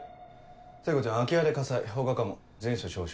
聖子ちゃん空き家で火災放火かも全署招集。